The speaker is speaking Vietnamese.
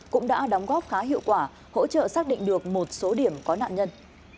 cũng đã đóng góp khá hiệu quả hỗ trợ xác định được một số điểm có nạn nhân